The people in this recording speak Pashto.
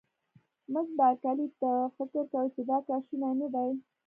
مس بارکلي: ته فکر کوې چې دا کار شونی نه دی؟